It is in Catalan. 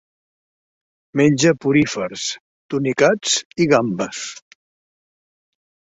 Menja porífers, tunicats i gambes.